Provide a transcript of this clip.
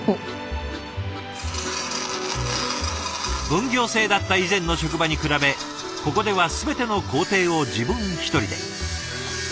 分業制だった以前の職場に比べここでは全ての工程を自分一人で。